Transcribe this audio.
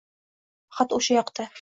Faqat o’sha yoqda –